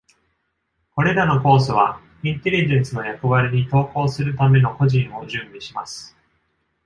これらのコースは、インテリジェンスの役割に投稿するための個人を準備します。